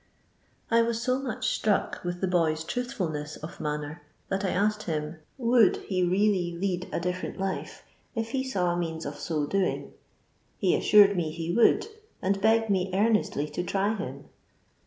I was so much struck with the boy's truth fulness of manner, that I asked him, mjuld, he really lead a different life, if he saw a means of so doing] He assured me he would, and begged me earnestly to try him.